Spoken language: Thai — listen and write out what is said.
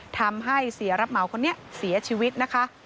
ทำให้เสียรับเหมาคนนี้เสียชีวิตนะคะ